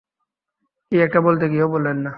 কী একটা বলতে গিয়েও বললেন না।